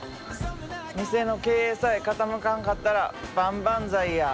店の経営さえ傾かんかったら万々歳や。